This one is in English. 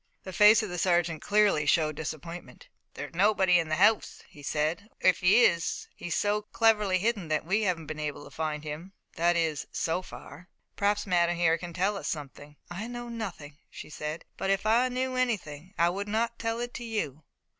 The face of the sergeant clearly showed disappointment. "There's nobody in the house," he said, "or, if he is he's so cleverly hidden, that we haven't been able to find him that is so far. Perhaps Madame here can tell us something." "I know nothing," she said, "but if I knew anything I would not tell it to you."